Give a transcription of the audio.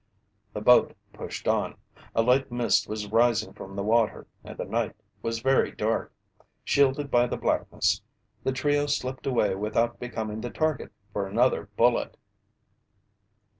The boat pushed on. A light mist was rising from the water and the night was very dark. Shielded by the blackness, the trio slipped away without becoming the target for another bullet.